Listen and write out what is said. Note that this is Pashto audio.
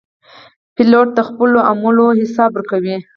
پیلوټ د خپلو عملو حساب ورکوي.